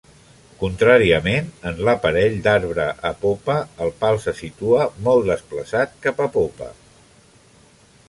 Contràriament, en l'aparell d'arbre a popa, el pal se situa molt desplaçat cap a popa.